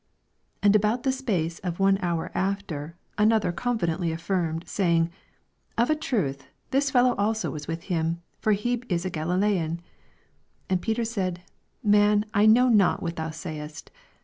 59 And about the space of one honz after, another confidently affirmed, saying, Of a truth this feOmio also was with him ; for he is a Gulilaean, 60 And Peter said, Man, I know not what thou sayest.